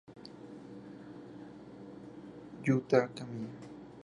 Yuta Kamiya